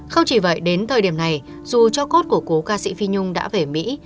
không chỉ vậy đến thời điểm này dù cho cốt của cố ca sĩ phi nhung đã về mỹ